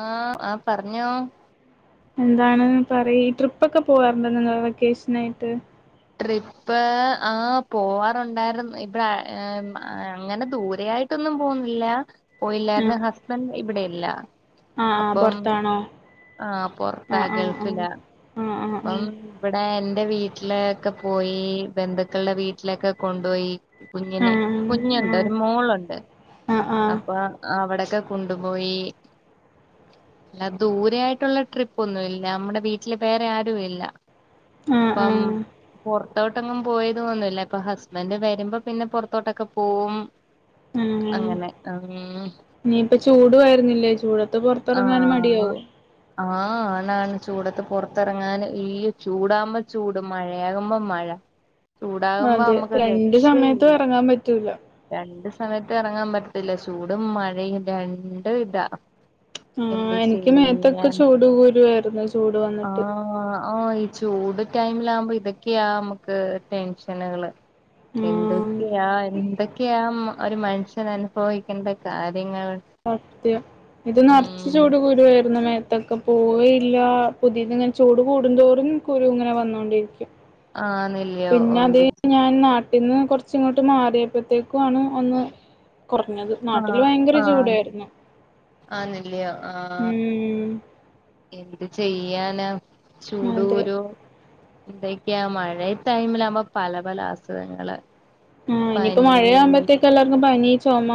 ആഹ് ആഹ് പറഞ്ഞോ എന്താണ് പറീ ട്രിപ്പൊക്കെ പോവാറുണ്ടോ നിങ്ങള് വെക്കേഷനായിട്ട് ട്രിപ്പ് ആ പോവാറുണ്ടായിരുന്നു ഇവടെ അങ്ങനെ ദൂരെ ആയിട്ട് ട്ടൊന്നും പോവ്ന്ന്ല്ല പോയില്ലായിര്ന്നു ആഹ് ഹസ്ബെന്റ് ഇവിടെയില്ല ആഹ് അപ്പം പൊർത്താണോ ആഹ് പൊർത്ത ഗൾഫില ആഹ് അപ്പം ഇവടെ എന്റെ വീട്ടിലൊക്കെ പോയി ബന്ധുക്കളുടെ വീട്ടിലൊക്കെ കൊണ്ടോയി ആഹ് ആഹ് ആഹ് കുഞ്ഞിനെ ആഹ് കുഞ്ഞുണ്ട് ഒരു മോളുണ്ട് ആഹ് അപ്പൊ അവടൊക്കെ കൊണ്ട്പോയി ല്ല ദൂര് രെ ആയിട്ടുള്ള ട്രിപ്പൊന്നുല്ല നമ്മടെ വീട്ടില് വേറെ ആരുല്ല ആഹ് ആഹ് അപ്പം ആഹ് പൊർത്തോട്ടെങ്ങും പോയത് ഒന്നുല്ല ഇപ്പൊ ഹസ്ബെന്റ് വെരുമ്പോ പിന്നെ പൊർത്തോട്ടൊക്കെ പോവും അങ്ങനെ അം ഞ്ഞിപ്പൊ ചൂടുആയിരുന്നില്ലേ ചൂട് ആഹ് ആഹ് ആണാണ് ചൂടത്ത് പൊർത്തെറങ്ങാന് ഈ ചൂടാകുമ്പൊ ചൂട് മഴയാകുമ്പൊ മഴ ചൂടാകുമ്പോ അതെ നമുക്ക് ഒരു രണ്ട് സമയത്തും രക്ഷയില്ല എറങ്ങാൻ പറ്റൂല രണ്ട് സമയത്തും എറങ്ങാൻ പറ്റതില്ല ചൂടും മഴയും രണ്ട്താ ഉം എനിക്ക് മേത്തൊക്കെ ചൂട് കുരുവായിരുന്നു ചൂട് വന്ന്ട്ട് ഓ ഈ ചൂട് ടൈമിലാകുമ്പോ ഇതൊക്യാ നമ്മക്ക് ടെൻഷനുകള് ആഹ് എന്തൊക്യാ എന്തൊക്യാ മ ഒര് മനുഷ്യനെന്നെ ഭോയിക്കണ്ട കാര്യങ്ങള് സത്യം ഇത് നർച്ച് ചൂട് കുരുവായിരുന്നു മേത്തൊക്കെപ്പ്‌ പോവേല്ല പുത്യേത്ങ്ങനെ ചൂട് കൂടുന്തോറും കുരു ഇങ്ങനെ വന്നോണ്ടിരിക്കും ആഹ് നിൽ പിന്നത് കയ്ഞ് ഞാൻ നാ ഇന്ന് കൊർച്ചിങ്ങോട്ട് മാറിയപ്പോഴത്തേക്കും ആണ് ഒന്ന് കൊർഞ്ഞത് ന്നാട്ടില് ഭയങ്കര ചൂടേര്ന്നു ആനില്ല്യോ ആഹ് എന്ത് ചെയ്യാന അതെ ചൂട്കുരു എന്തൊക്യാ മഴ ടൈമിലാവുമ്പോ പല പല അസുഖങ്ങള് ആ ഇനിയിപ്പോ പനി മഴയാവുമ്പോഴത്തേക്ക് എല്ലാർക്കും പനി, ചൊമ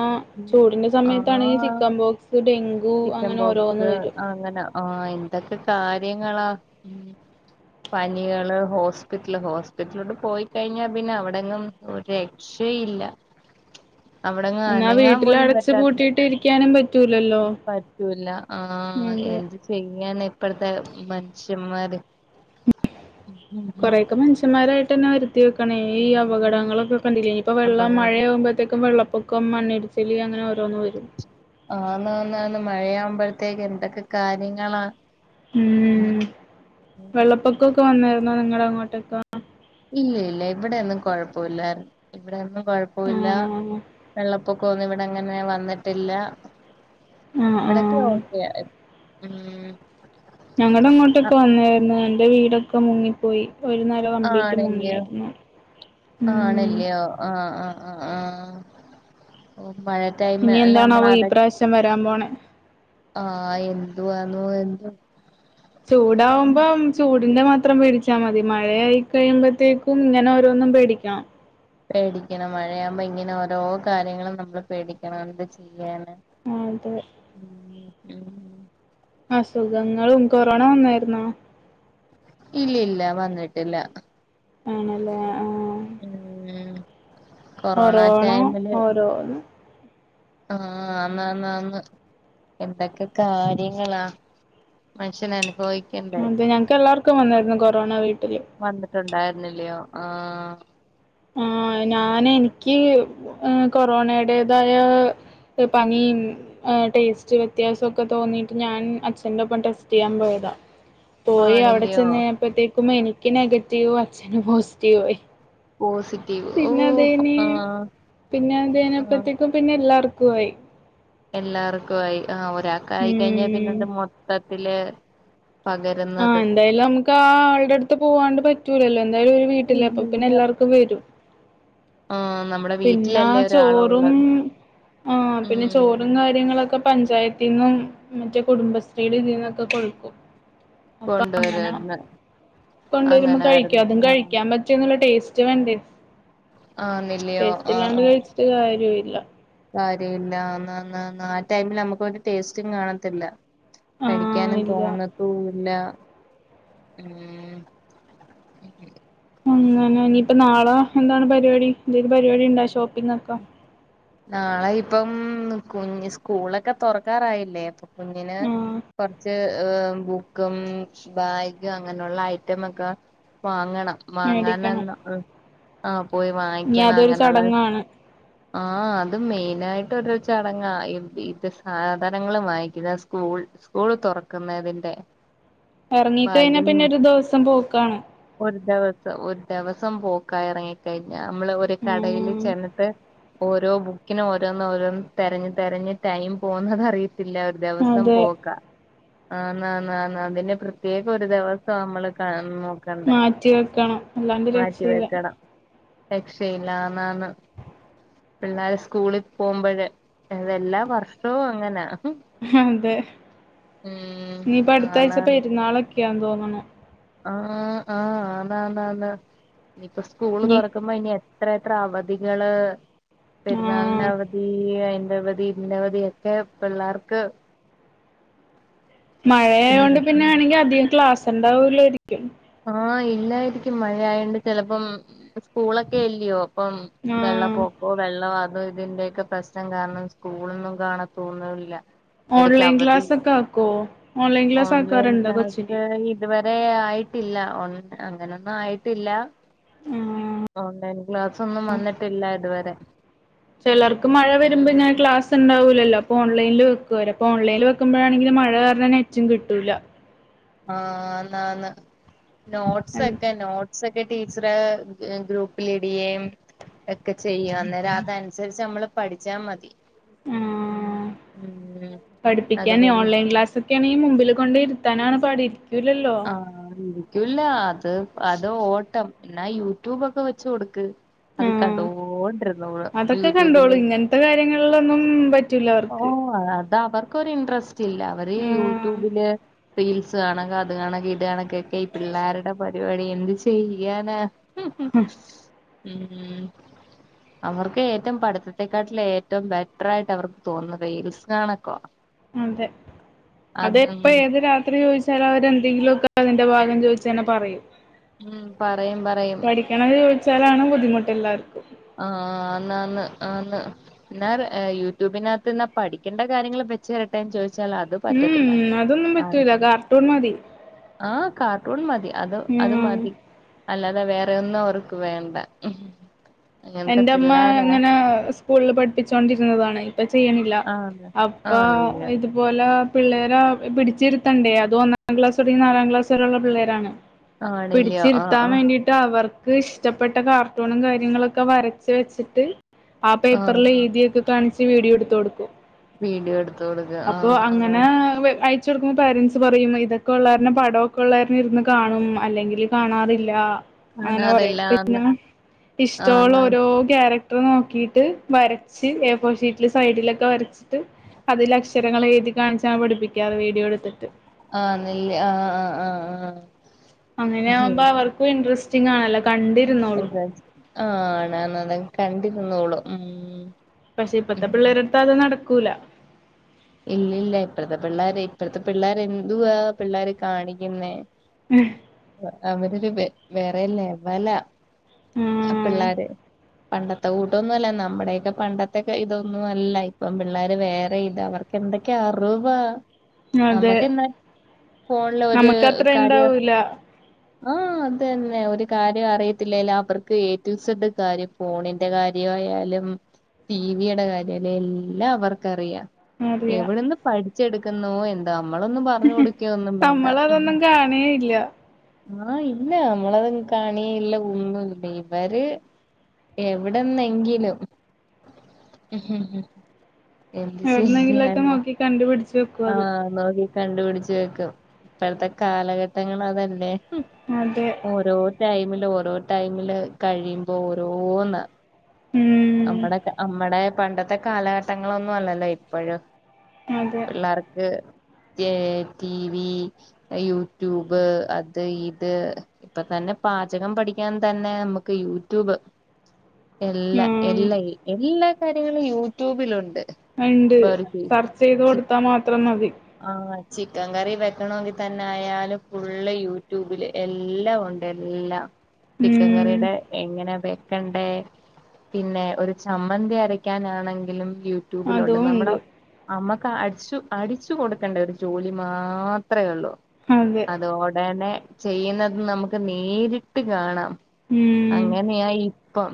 ചൂടിന്റെ സമയത്താണെങ്കി ആഹ് ചിക്കൻ ബോക്സ് ഫുഡിങ് ചിക്കൻ ബോക്സ് അങ്ങനെ ആ എന്തൊക്കെ കാര്യങ്ങളാ പനികള് ഹോസ്പിറ്റല് ഹോസ്പിറ്റലിലോട്ട് പോയി കഴിഞ്ഞാ പിന്നെ അവിടെങ്ങും ഒരെ ക്ഷയില്ല എന്നാ വീട്ടില് പോലും അടച്ച് പറ്റാത്ത പൂട്ടിയിട്ട് ഇരിക്കാനും പറ്റൂലല്ലോ പറ്റൂല്ല ആ അതെ എന്ത് ചെയ്യാന ഇപ്പഴ്ത്തെ മൻഷ്യമ്മാര് കൊറേക്കെ മൻഷൻമ്മാരായിട്ടെന്നെ വര് ത്തി വെക്ക്ണെ ഈ അപകടങ്ങളൊക്കെ കണ്ടില്ലെ ഞ്ഞിപ്പം വെള്ളം അപകടം മഴയാകുമ്പോഴത്തേക്കും വെള്ളപ്പൊ ക്കം മണ്ണിടിച്ചില് അങ്ങനെ ഓരോന്ന് വരും ആന്നാന്നാന്ന് മഴയാവുമ്പോഴത്തേക്ക് എന്തൊക്കെ കാര്യങ്ങളാ ഉം വെള്ളപ്പൊക്കൊക്കെ വന്നായിരുന്നോ നിങ്ങളെ അങ്ങോട്ടൊക്കെ ഇല്ലല്ല ഇവടെയൊന്നും കൊഴപ്പുല്ലാര്ന്ന് ഇവടെയൊന്നും കൊഴപ്പുല്ല ആഹ് വെള്ളപ്പൊ ക്കൊന്നും ഇവടെ അങ്ങനെ വന്നിട്ടില്ല ആഹ് ഇവടൊക്കെ ആഹ് ഓക്കെ ഉം ഞങ്ങളിങ്ങോട്ടെക്ക് വന്നേയിരുന്നു. എന്റെ വീടൊക്കെ മുങ്ങിപ്പോയി. ഒരു നെ ല കംപ്ലീറ്റ് ആണല്ല്യോ മുങ്ങിയായിരുന്നു. ഉം ആണല്ല്യോ ആഹ് ആഹ് ആഹ് ആഹ് ഉമ്മാ ഇനി എന്താണാവോ ഈ പ്രാവിശ്യം വരാൻ പോണെ? ആഹ് എന്തുവാന്നോ എന്തോ. ചൂടാവുമ്പം ചൂടിന്റെ മാത്രം പേടിച്ചാ മതി. മഴയായി കഴിയുമ്പോഴത്തേക്കും ഇങ്ങനെ ഓരോന്നും പേടിക്കണം. പേടിക്കണം മഴയാവുമ്പോ ഇങ്ങനെ ഓരോ കാര്യങ്ങളും നമ്മള് പേടിക്കണം. എന്ത് ചെയ്യാനാ. അതെ [unintelligible] അസുഖങ്ങളും കൊറോണ വന്നായിരുന്നോ? ഇല്ലില്ല വന്നിട്ടില്ല. ആണല്ലേ ആഹ് പിന്നെ കൊറോണ ടൈമില് [unintelligible] ആഹ് ആന്ന് ആന്ന് ആന്ന് എന്തൊക്കെ കാര്യങ്ങളാ മനുഷ്യൻ അനുഭവി അതെ, ഞങ്ങക്ക് എല്ലാവർക്കും വന്നിരുന്നു കൊറോണ വീട്ടില്. വന്നിട്ടുണ്ടായിരുന്നില്ല്യോ ആഹ് ആഹ് ഞാന് എനിക്ക് കൊറോണയടേതായ ക്ക് പനീം ടേസ്റ്റ് വ്യത്യാസൊക്കെ തോന്നിയിട്ട് ഞാൻ അച്ഛന്റെ ഒപ്പം ടെസ്റ്റ് ചെയ്യാൻ പോയതാ പോയി അവിടെ ആണില്ലയോ ചെന്ന് കഴിഞ്ഞപ്പോത്തേക്കും എനിക്ക് നെഗറ്റീവും അച്ഛന് പോസിറ്റീവും ആയി. പോസിറ്റീവ് ഓ പിന്നെ അത്കഴിഞ്ഞ് ആഹ് പിന്നെ അത് ആഹ് കഴിഞ്ഞപ്പത്തേക്കും പിന്നെ എല്ലാർക്കും ആയി. എല്ലാർക്കും ആയി. ആഹ് ഒരാക്ക് ആയി കഴിഞ്ഞാ ഉം പിന്നത് മൊത്തത്തില് ആഹ് പകരുന്നത് എന്തായാലും നമുക്ക് ആ ആളുടെ അടുത്ത് പോവാണ്ട് പറ്റൂലല്ലോ എന്തായാലും ഒരു വീട്ടിലല്ലെ അപ്പൊ പിന്നെ ഇല്ലില്ല എല്ലാവർക്കും വരും ആഹ് നമ്മടെ പിന്നാ ചോറും ആഹ് ഉം പിന്നെ ചോറും കാര്യങ്ങളൊക്കെ പഞ്ചായത്തിന്നും മറ്റേ കുടുംബശ്രീടെ ഇതീന്നൊക്കെ കൊട്ക്കും. അപ്പ അങ്ങനെ കൊണ്ടുവരുവാരുന്ന് കൊണ്ടുവരുമ്പോ കഴിക്കും അങ്ങനാരുന്നു അതും ആഹ് കഴിക്കാൻ പറ്റൊന്നുല്ല ടേസ്റ്റ് വേണ്ടേ. ആന്നില്ലയോ ടേസ്റ്റില്ലാണ്ട് കഴിച്ചിട്ട് കാര്യോല്ല. കാര്യവില്ല. അന്ന് അന്ന് അന്ന് ആ ടൈമില് നമുക്ക് ഒരു ടേസ്റ്റും കാണത്തില്ല. ആഹ് കഴിക്കാനും ഇല്ല തോന്നത്തൂല്ല. ഉം അങ്ങനെ ഇനിയിപ്പ നാളെ എന്താണ് പരിപാടി? എന്തേലും പരിപാടിണ്ടാ ഷോപ്പിങൊക്കെ? നാളെ ഇപ്പം കുഞ് സ്കൂളൊക്കെ തൊറക്കാറായില്ലേ. കുഞ്ഞിന് ആഹ് കൊറച്ച് ബു ക്കും ബാഗ് അങ്ങനെയുള്ള ഐറ്റമെക്കെ വാങ്ങണം. മേടിക്കണം വാങ്ങാനന്ന ആഹ് പോയി ഇനി വാങ്ങിക്കണം അതൊരു അങ്ങനെയുള്ള ചടങ്ങാണ് ആഹ് അത് മെയിനായിട്ട് ഒരു ചടങ്ങാ. ഈ വീട്ട് സാധനങ്ങൾ വാങ്ങിക്കുക, സ്കൂൾ സ്കൂള് തൊറക്കുന്നതിന്റെ എറങ്ങി കഴിഞ്ഞാ പിന്നെ ഒരു ദിവസം പോക്കാണ്. ഒരു ദിവസം ഒരു ദിവസം പോക്ക ഇറങ്ങിക്കഴിഞ്ഞ നമ്മള് ഒരു കടയില് ഉം ചെന്നിട്ട് ഓരോ ബുക്കിനും ഓരോന്ന് ഓരോന്ന് തിരഞ്ഞ് തിരഞ്ഞ് ടൈം പോന്നത് അറിയത്തില്ല ദിവസം അതെ പോക്ക ആന്ന് ആന്ന് ആന്ന് അതിന് പ്രത്യേക ഒരു ദിവസം നമ്മള് ക നൊ മാറ്റി വെക്കണം അല്ലാണ്ട് രക്ഷയില്ല വെക്കണം രക്ഷയില്ല ആന്ന് ആന്ന് പിള്ളാര് സ്കൂളിൽ പോമ്പഴ്‌ അതെല്ലാ വർഷവും അങ്ങനാ അതെ ഉം ഇനിപ്പ അടുത്താഴ്ച ആന്നാന്ന് പെരുന്നാളൊക്കെയാന്ന് തോന്നണു ആഹ് ആഹ് ആന്നാന്നാന്ന് ഇനിപ്പ സ്കൂള് ഇനി തുറക്കുമ്പോ ഇനി എത്ര എത്ര അവധികള് പെരുന്നാളിന് ആഹ് അവ ധി അയിന്റവധി ഇതിന്റെ അവധി ഒക്കെ പിള്ളാർക്ക് മഴ ആയോണ്ട് ഇല്ലേ പിന്നെ ആണെങ്കി അധികം ക്ലാസ് ഉണ്ടാവൂലാരിക്കും ആ ഇല്ലായിരിക്കും മഴ ആയണ്ട് ചെലപ്പം സ്കൂളൊക്കെ അല്ലിയോ ഇപ്പം ആഹ് വെള്ളപൊ ക്കൊ വെള്ളോ അതും ഇതിന്റെയൊക്കെ പ്രശ്നം കാരണം സ്കൂളൊന്നും കാണാതോന്നൂ ഇല്ല. എടക്ക് ഓൺലൈൻ അവധി ക്ലാസ് ഒക്കെ ആക്കോ ഓൺലൈൻ ക്ലാസ് ഓൺലൈൻ ആക്കാറുണ്ടോ കൊച്ചിന് ക്ലാസ് ഇതുവരെ ആയിട്ടില്ല ഓ അങ്ങനൊന്നും ആയിട്ടില്ല ആഹ് ഓൺലൈൻ ക്ലാസൊന്നും വന്നിട്ടില്ല ഇതുവരെ. ചെലർക്ക് മഴ വരുമ്പോ ഉം ഇങ്ങനെ ക്ലാസ് ണ്ടാവുലല്ലോ അപ്പോ ഓൺലൈല് വെക്കൂ ഓര് അപ്പോ ഓൺലൈല് വെക്കുമ്പഴാണെങ്കിലും മഴ കാരണം നെറ്റും കിട്ടൂല്ല. ആന്നാന്ന് നോട്സ് ഒക്കെ നോ ട്സൊക്കെ ടീച്ചറ് ഗ്രൂപ്പിലിടിയെം ഒക്കെ ചെയ്യും അന്നേരം അതനുസരിച്ച് നമ്മള് പഠിച്ചാ മതി ആഹ് ഉം അത് പഠിപ്പിക്കാന് പിന്നെ ഓൺലൈൻ ക്ലാ സൊക്കെ അണെങ്കി മുമ്പിൽ കൊണ്ടോയി ഇരുത്താനാണ് പാട് ഇരിക്കൂലല്ലോ. ആ ഇരിക്കൂല്ല അത് അത് ഓട്ടം എന്നാ യൂട്യൂബൊക്കെ വെച്ച് കൊടുക്ക്. അത് ആഹ് കണ്ടോണ്ടിരിന്നോളും അതൊക്കെ കണ്ടോളും യൂട്യൂബില്. [unintelligible] കാര്യങ്ങളിലൊന്നും പ ഓഹ് അത് അവർക്കൊരു ഇന്ട്രസ്റ്റ് ഇല്ല അവര് ആഹ് യൂട്യൂബില് റീൽസ് കാണും അത് കാണക്കെ ഇത് കാണക്കെ ഒക്കെ ഈ പിള്ളേരുടെ പരിപാടി എന്ത് ചെയ്യാനാ. ഉം ഹും ഉം ഉം അവർക്ക് ഏറ്റം പഠിത്തത്തെക്കാട്ടില് ഏറ്റവും ബെറ്ററായിട്ട് അവർക്ക് തോന്നുന്നതെ റീൽസ് കാണക്കവ അതെ അത് എപ്പോ ഏത് രാത്രി ചോദി ചലവരെന്തെങ്കിലു ഒക്കെ അതിന്റെ ഭാഗം ചോയിച്ചന്നെ പറയും ഉം പറയും പറയും ക്കെണ്ത് ചോയിച്ചാലാണ് ബുദ്ധിമുട്ട് എല്ലാർക്കും ആഹ് ആന്ന് ആന്ന് ആന്ന്‌ എന്നാർ ഏഹ് യൂട്യൂബിനത്ത്ന്നാ പഠിക്കേണ്ട കാര്യങ്ങള് വെച്ച്തരട്ടെ ചോയിച്ചാൽ അതും ഉം ഉം അതൊന്നും പറ്റൂല്ല കാർട്ടൂൺ മതി ആഹ് കാർട്ടൂൺ മതി അത് അത് ഉം മതി അല്ലാതെ വേറെ ഒന്നും അവർക്ക് വേണ്ട അങ്ങനത്തെ എന്റെ അമ്മ പിള്ളോരാ ഇങ്ങനെ സ്കൂളില് പഠിപ്പിച്ചോണ്ടിരുന്നതാണേ ഇപ്പ ചെയ്യണില്ല ആണ് അപ്പ ആണല്ല്യോ ഇത് ഇതുപോലെ പിള്ളേരെ പിടിച്ചിരുത്തണ്ടേ അതും ഒന്നാം ക്ലാസ് തുടങ്ങി നാലാം ക്ലാസ് വരെയുള്ള പിള്ളേരാണ്. ആണല്ല്യോ ആഹ് പിടിച്ചിരുത്താം ആഹ് വേണ്ടി ട്ട് അവർക്ക് ഇഷ്ടപ്പെട്ട കാർട്ടൂണും കാര്യങ്ങളൊക്കെ വരച്ച് വെച്ചിട്ട്. ആ ആഹ് പേപ്പറില് എഴുതിക്കെ കാണിച്ച് വീഡിയോ എടുത്ത്‌ കൊടുക്കും. വീഡിയോ എടുത്ത് കൊടുക്ക അപ്പൊ ആഹ് അങ്ങനെ ആഹ് അയ്‌ ച്ച് കൊടുക്കുമ്പോ പേരന്റ്സ് പറയും ഇതൊക്കെ ള്ളോര്ണം പടക്കെ ഉള്ള കാരണം ഇരുന്ന് കാണും അല്ലെങ്കി കാണാറില്ല അങ്ങനെ പറയും കാണാറില്ലാന്ന് പിന്നെ ഇഷ്ട്ടോള്ള ആന്ന് ഓരോ ക്യാര ക്റ്ററ് നോക്കിട്ട് വരച്ച് എ ഫോർ ഷീറ്റില് സൈഡിലൊക്കെ വരച്ചിട്ട് അതില് അക്ഷരങ്ങൾ എഴുതി കാണിച്ചാണ് പഠിപ്പിക്കാറ് വീഡിയോ എടുത്തിട്ട്. ആഹ് നില്ല് ആഹ് ആഹ് ആഹ് ആഹ് അങ്ങനെ ഉം ആവുമ്പം അവർക്കും ഇൻന്ററസ്റ്റിംങ്ങാണല്ലോ കണ്ടി ഇൻട്രസ് ആഹ് ആണ് ആണ് കണ്ടിരുന്നോളും ഉം പക്ഷെ ഇപ്പത്തെ ഉം പിള്ളേരെടുത്ത് അത് നടക്കൂല ഇല്ല ഇല്ല ഇപ്പഴത്തെ പിള്ളാര് ഇപ്പഴത്തെ പിള്ളാര് എന്തുവാ പിള്ളോര് കാണിക്കുന്നെ ഉം അവരൊരു വെ-വേറെ ലെവലാ ആഹ് ഉം പിള്ളാര് പണ്ടത്തെ കൂട്ടന്നും അല്ല നമ്മുടെക്കെ പണ്ടത്തെക്കെ ഇതൊന്നും അല്ല ഇപ്പം പിള്ളേര് വേറെ ഇതാ അവർക്ക് എന്തൊക്കെ അറിവാ അതെ നമ്മുക്ക് എന്നാ ഫോണില് ഒരു നമുക്കത്ര കാര്യം ഇണ്ടാവൂല ആഹ് അത് തന്നെ ഒരു കാര്യം അറിയത്തില്ല അവർക്ക് ഏ ടു സിഡ് കാര്യം ഫോണി എന്റെ കാര്യയാലും ടിവിയുടെ കാര്യായാലും എല്ലാം അവർക്കറിയാം അറിയാം എവിടെന്ന് പഠിച്ചെടുക്ക ന്നു എന്തോ നമ്മളൊന്നും പറഞ്ഞു കൊടുക്ക ഒന്നും വേണ്ട നമ്മളതൊന്നും കാണേയില്ല ആഹ് ഇല്ല മുളക കാണിയ ഇല്ല ഒന്നും ഇല്ല ഇവര് എവിടന്നെങ്കിലും എവിടുന്നെങ്കിലൊക്കെ ശരിയാണ് നോക്കി കണ്ടുപിടിച്ച് വെക്കും അത് ആഹ് നോക്കി കണ്ടുപിടിച്ച് വെക്കും ഇപ്പഴത്തെ കാലഘട്ടങ്ങൾ അതല്ലേ അതെ ഓരോ ടൈമില് ഓരോ ടൈമില് കഴിയുമ്പോ ഓരോന്ന് ഉം നമ്മടെ നമ്മടെ പണ്ടത്തെ കാലഘട്ടങ്ങളൊന്നും അല്ലല്ലോ ഇപ്പോഴും അതെ പിള്ളേർക്ക് ടിവി യൂട്യൂബ് അത് ഇത് ഇപ്പ തന്നെ പാചകം പഠിക്കാൻ തന്നെ നമുക്ക് യൂട്യൂബ് [unintelligible] എല്ലാ ആഹ് എല്ലാ എല്ലാ കാര്യങ്ങളും യൂട്യൂബിലുണ്ട് ഉണ്ട് ഇപ്പൊ ഒരു ചി സെർച്ച് ചെയ്ത് കൊടുത്താൽ മാത്രം മതി ആഹ് ചിക്കൻ കറി വെക്കണമെങ്കിൽ തന്നെ ആയാലും ഫുള്ള് യൂട്യൂബില് എല്ലാം ഉണ്ട് എല്ലാം ചിക്കൻ ഉം കറിയുടെ എങ്ങനെ വെക്കണ്ടേ പിന്നെ ഒരു ചമ്മന്തി അരക്കാനാണെങ്കിലും യ ട്യൂബിലുണ്ട് അതും ഉണ്ട് നമ്മള് നമ്മക്ക് അടിച്ചു അടിച്ചു കൊടുക്കണ്ട ഒരു ജോലി മാത്രമേ ഉള്ളൂ അതെ അതോടനെ ചെയ്യുന്നത് നമുക്ക് നേരിട്ട് കാണാം ഉം അങ്ങനയാ ഇപ്പം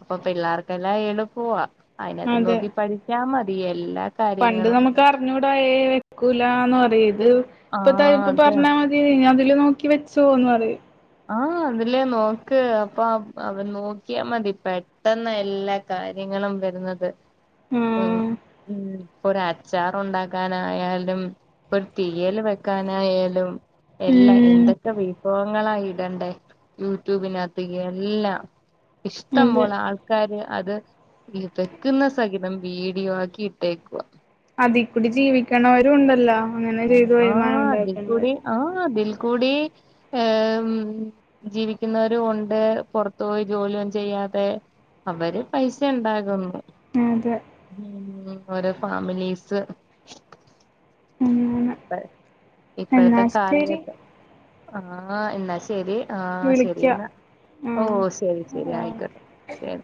അപ്പൊ പിള്ളേർക്കെല്ലാം എളുപ്പവാ അതിനകത്ത് അതെ നോക്കി പഠിച്ചാ മതി എല്ലാ പണ്ട് കാര്യങ്ങളും നമുക്ക് അറിഞ്ഞൂടായ വെക്കൂലന്ന് പറ ഇത് ഇപ്പ ആഹ് തപ്പ അതെ പറഞ്ഞാ അതില് നോക്കി വെച്ചുന്ന് പറയും ആഹ് അതിലേ നോക്ക് അപ്പൊ അവ നോക്കിയാ മതി പെട്ടെന്ന് എല്ലാ കാര്യങ്ങളും വരുന്നത് ഉം ആഹ് ഉം ഒരു അച്ചാറുണ്ടാക്കാനായാലും ഒരു തീയൽ വെക്കാനായാലും എല്ലാ ഉം എന്തൊക്കെ വിഭവങ്ങളായി ഇടെണ്ടെ യൂട്യൂബിനകത്തേക്ക്‌ എല്ലാം ഇഷ്ടം അതെ പോലെ ആൾ ക്കാര് അത് ഈ വെക്കുന്ന സഹിതം വീഡിയോ ആക്കി ഇട്ടേക്കുക അതി കൂടി ജീവിക്കണവരും ഉണ്ടല്ലോ അങ്ങനെ ചെയ്ത് വരുമാനം ഉണ്ടാക്കുന്നവര് ആഹ് അതിൽ കൂടി ഏഹ് ജീവിക്കുന്നവരും ഉണ്ട് പുറത്തു പോയി ജോലിയും ചെയ്യാതെ അവര് പൈസ ഉണ്ടാകുന്നു അതെ ഉം ഓരോ ഫാമിലീസ് അങ്ങനെ ഇപ്പ എന്നാ ഇപ്പഴത്തെ ശരി കാലഘട്ട ആ എന്നാശരി ആഹ ശെരി വിളിക്കാം എന്നാ ആ ഓ ശെരി ശെരി ഓക്കെ ആയിക്കോട്ടെ ശരി